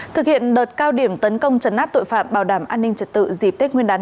thực hiện đợt cao điểm tấn công trấn áp tội phạm bảo đảm an ninh trật tự dịp tết nguyên đán